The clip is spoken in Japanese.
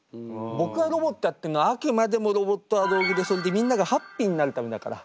僕はロボットやってんのはあくまでもロボットは道具でそれでみんながハッピーになるためだから。